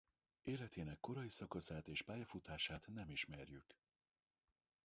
Életének korai szakaszát és pályafutását nem ismerjük.